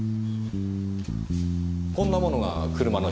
こんなものが車の下に。